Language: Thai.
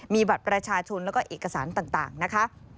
มีบัตรประชาชนแล้วก็เอกสารต่างนะคะ